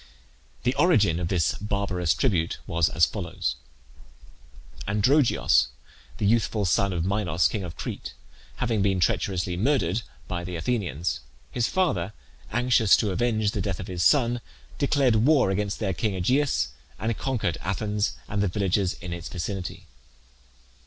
The origin of this barbarous tribute was as follows: Androgeos, the youthful son of Minos, king of Crete, having been treacherously murdered by the Athenians, his father, anxious to avenge the death of his son, declared war against their king Aegeus, and conquered Athens and the villages in its vicinity.